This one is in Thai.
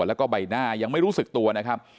แล้วก็ใบหน้ายังไม่รู้สึกตัวนะครับ